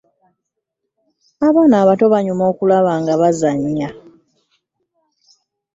abaana abato banyuma okulaba nga bazannya.